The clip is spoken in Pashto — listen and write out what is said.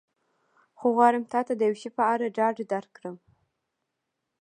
خو غواړم تا ته د یو شي په اړه ډاډ درکړم.